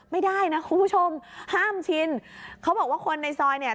ไม่ได้นะคุณผู้ชมห้ามชินเขาบอกว่าคนในซอยเนี่ย